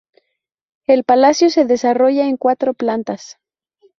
El palacio se desarrolla en cuatro plantas.